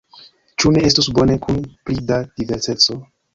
Ĉu ne estus bone kun pli da diverseco?